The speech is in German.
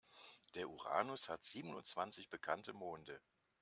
Der Uranus hat siebenundzwanzig bekannte Monde.